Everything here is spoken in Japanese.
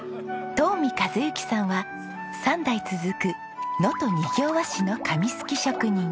遠見和之さんは３代続く能登仁行和紙の紙すき職人。